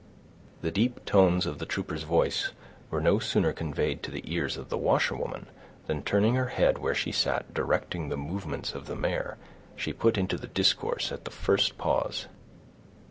The deep tones of the trooper's voice were no sooner conveyed to the ears of the washerwoman, than, turning her head, where she sat directing the movements of the mare, she put into the discourse at the first pause.